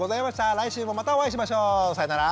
来週もまたお会いしましょう。さようなら。